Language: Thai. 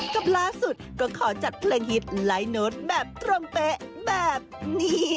กับล่าสุดก็ขอจัดเพลงฮิตไล่โน้ตแบบตรงเป๊ะแบบนี้